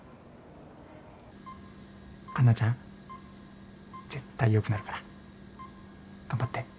カンナちゃん絶対良くなるから頑張って。